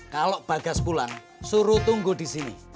kalau bagas pulang suruh tunggu disini